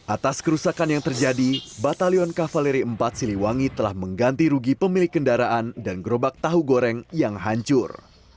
atas kerusakan yang terjadi batalion kavaleri empat siliwangi telah mengganti rugi pemilik kendaraan dan gerobak tahu goreng yang hancur